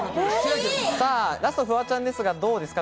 ラスト、フワちゃんですが、どうですか？